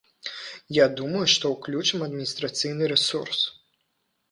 Я думаю, што ўключым адміністрацыйны рэсурс.